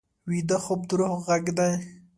ویده خوب د روح غږ دی